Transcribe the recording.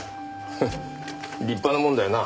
フッ立派なもんだよな。